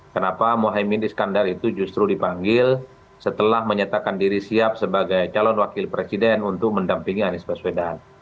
kenapa mohaimin iskandar itu justru dipanggil setelah menyatakan diri siap sebagai calon wakil presiden untuk mendampingi anies baswedan